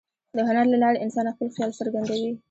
د هنر له لارې انسان خپل خیال څرګندوي.